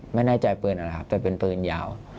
ไม่แน่ใจปืนอะไรครับแต่เป็นปืนยาว